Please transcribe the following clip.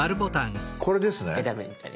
これですね。